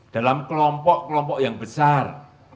dalam kelompok kelompok yang besar